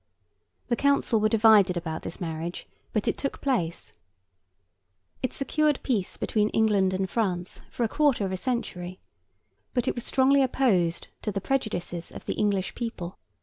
The council were divided about this marriage, but it took place. It secured peace between England and France for a quarter of a century; but it was strongly opposed to the prejudices of the English people.